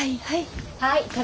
はいはい。